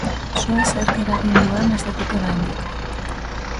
Sua zerk eragin duen ez dakite oraindik.